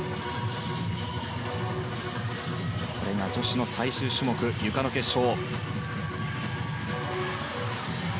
女子の最終種目、ゆかの決勝。